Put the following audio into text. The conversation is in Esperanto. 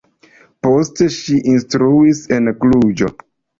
Poste ŝi instruis en Kluĵo.